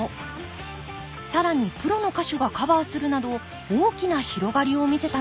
更にプロの歌手がカバーするなど大きな広がりを見せたのです